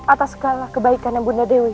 atas segala kebaikan yang bunda dewi